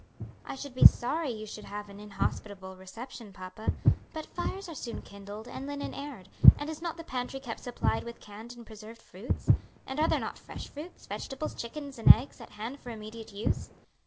"I should be sorry you should have an inhospitable reception, papa, but fires are soon kindled and linen aired, and is not the pantry kept supplied with canned and preserved fruits? and are there not fresh fruits, vegetables, chickens, and eggs at hand for immediate use?"